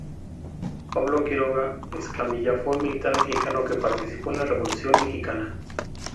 Pablo Quiroga Escamilla fue un militar mexicano que participó en la Revolución mexicana.